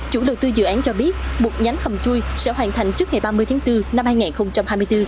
chủ đầu tư dự án cho biết một nhánh hầm chui sẽ hoàn thành trước ngày ba mươi tháng bốn năm hai nghìn hai mươi bốn